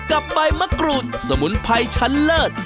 ใบมะกรูดสมุนไพรชั้นเลิศ